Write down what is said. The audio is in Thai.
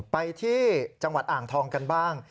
ไปที่จังหวัดอ่างทองกันบ้าง